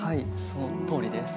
そのとおりです。